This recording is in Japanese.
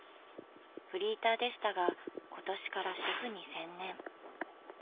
フリーターでしたが今年から主夫に専念。